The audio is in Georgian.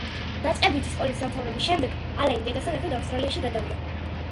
დაწყებითი სკოლის დამთავრების შემდეგ, ალენი დედასთან ერთად ავსტრალიაში გადავიდა.